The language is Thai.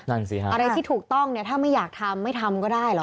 นั่นสิฮะอะไรที่ถูกต้องเนี่ยถ้าไม่อยากทำไม่ทำก็ได้เหรอ